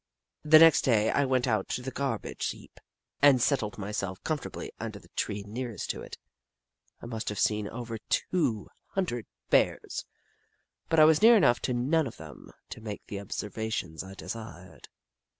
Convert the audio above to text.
The next day I went out to the garbage heap, and settled myself comfortably under the tree nearest to it. I must have seen over two 70 The Book of Clever Beasts hundred Bears, but I was near enough to none of them to make the observations I desired.